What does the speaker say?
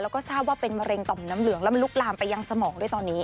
แล้วก็ทราบว่าเป็นมะเร็งต่อมน้ำเหลืองแล้วมันลุกลามไปยังสมองด้วยตอนนี้